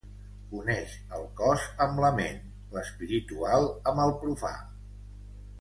Uneix el cos amb la ment, l'espiritual amb el profà.